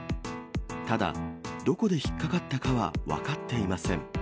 ただ、どこで引っ掛かったかは分かっていません。